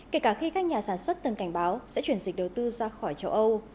kể cả khi các nhà sản xuất từng cảnh báo sẽ chuyển dịch đầu tư ra khỏi châu âu